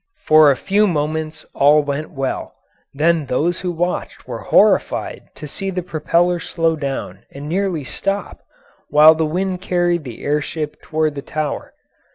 For a few moments all went well, then those who watched were horrified to see the propeller slow down and nearly stop, while the wind carried the air ship toward the Tower.